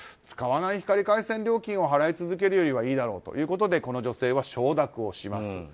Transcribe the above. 使わない光回線料金を払い続けるよりはいいだろうということでこの女性は承諾をします。